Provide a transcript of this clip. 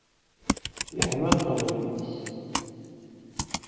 Iḥma ṭṭbel-is.